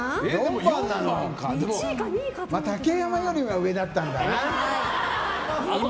竹山よりは上だったんだな。